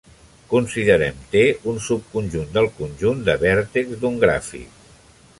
Considerem "T" un subconjunt del conjunt de vèrtex d'un gràfic.